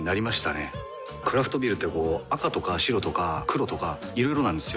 クラフトビールってこう赤とか白とか黒とかいろいろなんですよ。